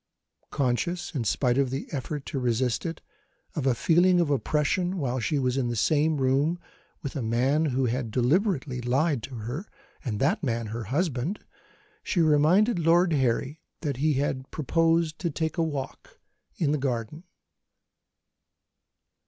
Conscious, in spite of the effort to resist it, of a feeling of oppression while she was in the same room with a man who had deliberately lied to her, and that man her husband, she reminded Lord Harry that he had proposed to take a walk in the garden.